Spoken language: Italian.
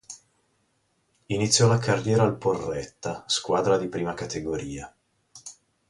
Iniziò la carriera al Porretta, squadra di Prima Categoria.